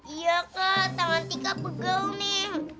iya kak tangan tika pegang nih